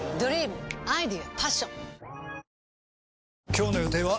今日の予定は？